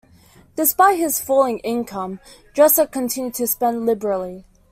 Despite his falling income, Dresser continued to spend liberally.